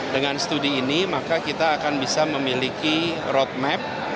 dengan studi ini maka kita akan bisa memiliki roadmap